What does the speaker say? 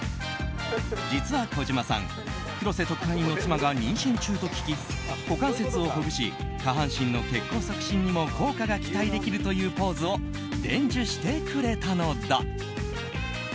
実は児嶋さん黒瀬特派員の妻が妊娠中と聞き股関節をほぐし下半身の血行促進にも効果が期待できるというポーズを伝授してくれたのだ。